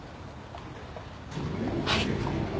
はい。